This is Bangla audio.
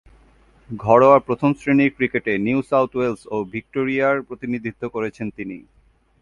ঘরোয়া প্রথম-শ্রেণীর ক্রিকেটে নিউ সাউথ ওয়েলস ও ভিক্টোরিয়ার প্রতিনিধিত্ব করেছেন তিনি।